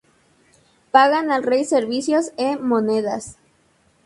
Pagan al rey servicios e monedas.